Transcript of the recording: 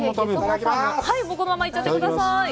このまま行っちゃってください。